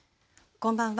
こんばんは。